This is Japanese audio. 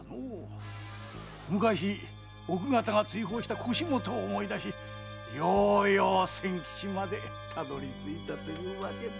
昔奥方が追放した腰元を思い出しようよう千吉までたどりついたというわけだ。